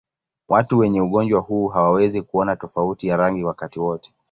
Watu wenye ugonjwa huu hawawezi kuona tofauti ya rangi wakati wote.